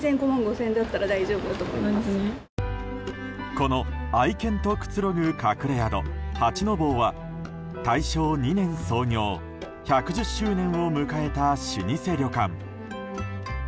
この愛犬とくつろぐ隠れ宿八の坊は大正２年創業１１０周年を迎えた老舗旅館。